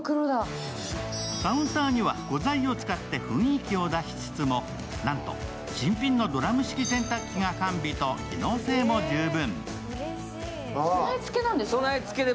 カウンターには古材を使って雰囲気を出しつつも、なんと新品のドラム式洗濯機が完備と機能性も十分。